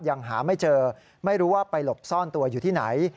ยังหาไม่เจอไม่รู้ว่าไปหลบซ่อนตัวอยู่ที่ไหน